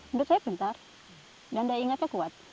menurut saya pintar dan daya ingatnya kuat